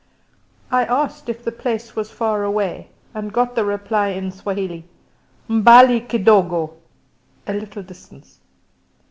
I asked if the place was far away, and got the reply in Swahili "M'bali kidogo" ("A little distance").